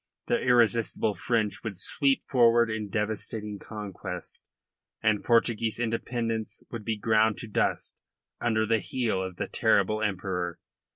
The irresistible French would sweep forward in devastating conquest, and Portuguese independence would be ground to dust under the heel of the terrible Emperor.